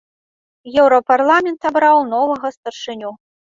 Еўрапарламент абраў новага старшыню.